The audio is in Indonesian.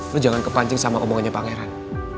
lo jangan kepancing sama omongannya pak heran